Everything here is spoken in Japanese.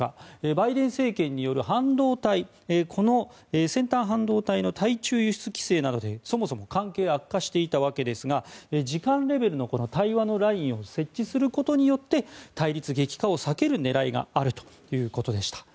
バイデン政権による先端半導体の対中輸出規制などで、そもそも関係が悪化していたわけですが次官レベルの対話のラインを設置することによって対立激化を避ける狙いがあるということでした。